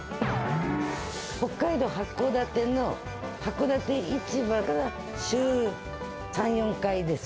北海道函館の函館市場から週３、４回です。